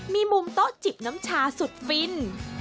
มีมุมโต๊ะจิบน้ำชาสุดฟิน